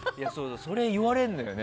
それ言われるんだよね。